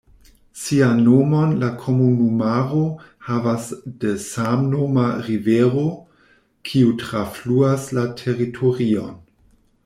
Sian nomon la komunumaro havas de samnoma rivero, kiu trafluas la teritorion.